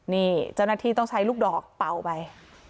นี่เจ้าหน้าที่ต้องใช้ลูกดอกเป่าไป